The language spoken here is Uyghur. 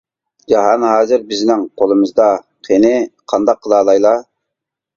— جاھان ھازىر بىزنىڭ قولىمىزدا، قېنى قانداق قىلالايلا؟ !